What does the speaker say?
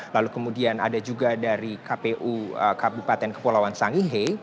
lalu kemudian ada juga dari kpu kabupaten kepulauan sangihe